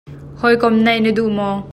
Hawikom neih na duh maw?